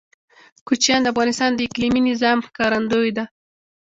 کوچیان د افغانستان د اقلیمي نظام ښکارندوی ده.